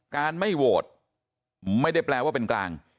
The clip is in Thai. การไม่โหวตไม่ได้แปลว่าเป็นกลาง